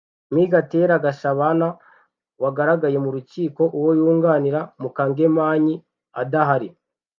Me Gatera Gashabana wagaragaye mu rukiko uwo yunganira [Mukangemanyi] adahari